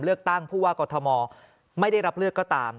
เลือกตั้งผู้ว่ากอทมไม่ได้รับเลือกก็ตาม